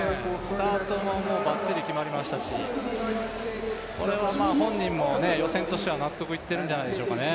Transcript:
スタートもばっちり決まりましたし、これは本人も予選としては納得いってるんじゃないですかね。